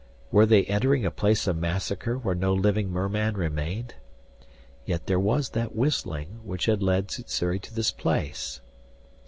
Were they entering a place of massacre where no living merman remained? Yet there was that whistling which had led Sssuri to this place....